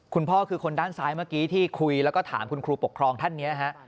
คุณพ่อคือคนด้านซ้ายเมื่อกี้ที่คุยแล้วก็ถามคุณครูปกครองท่านนี้ฮะ